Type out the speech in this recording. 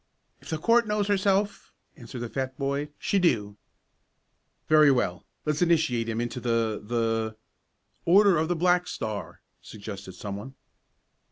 "If the court knows herself," answered the fat boy, "she do." "Very well. Let's initiate him into the the " "Order of the Black Star," suggested some one.